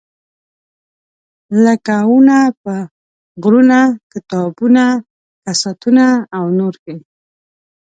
لکه ونه په غرونه، کتابونه، کساتونه او نور کې.